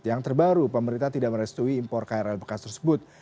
yang terbaru pemerintah tidak merestui impor krl bekas tersebut